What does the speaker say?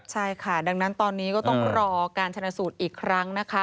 ใช่ค่ะดังนั้นตอนนี้ก็ต้องรอการชนะสูตรอีกครั้งนะคะ